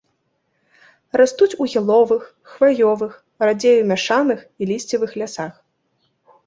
Растуць у яловых, хваёвых, радзей у мяшаных і лісцевых лясах.